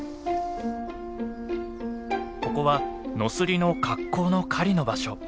ここはノスリの格好の狩りの場所。